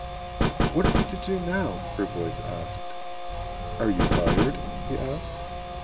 "What are we to do now?" her voice asked. "Are you tired?" he asked.